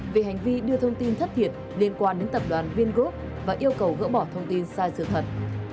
về hành vi đưa thông tin thất thiệt liên quan đến tập đoàn viên gốc và yêu cầu gỡ bỏ thông tin sai dự thật